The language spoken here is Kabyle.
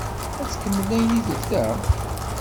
Ad tkemmel ayen i d-tebda?